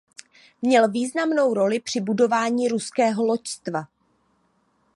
Měl významnou roli při budování ruského loďstva.